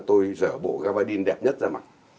tôi dở bộ gabardine đẹp nhất ra mặt